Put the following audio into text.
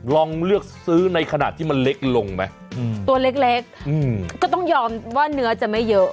ลองเลือกซื้อในขณะที่มันเล็กลงไหมตัวเล็กก็ต้องยอมว่าเนื้อจะไม่เยอะ